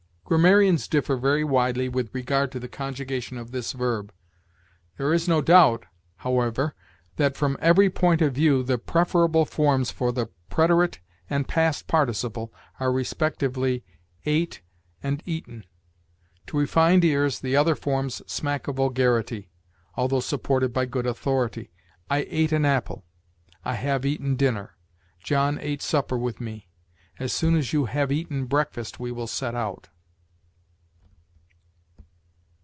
Grammarians differ very widely with regard to the conjugation of this verb; there is no doubt, however, that from every point of view the preferable forms for the preterite and past participle are respectively ate and eaten. To refined ears the other forms smack of vulgarity, although supported by good authority. "I ate an apple." "I have eaten dinner." "John ate supper with me." "As soon as you have eaten breakfast we will set out."